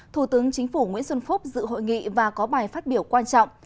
thủ tướng chính phủ nguyễn xuân phúc dự hội nghị và có bài phát biểu quan trọng